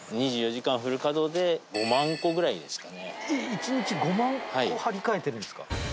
１日５万個貼り替えてるんですか